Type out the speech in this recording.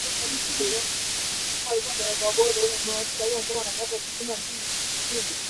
ee vizazi hivi ambavo tukonavyo sasa au vilivopita kama miaka kumi